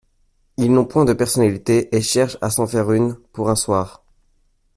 Ils n'ont point de personnalité et cherchent à s'en faire une, pour un soir.